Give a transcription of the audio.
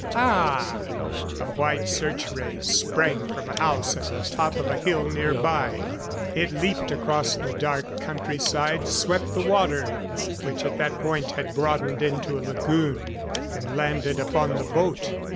Ah!..." A white search ray sprang from a house at the top of a hill nearby. It leaped across the dark countryside, swept the water which at that point had broadened into a lagoon and landed upon the boat.